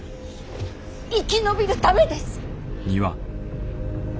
生き延びるためです！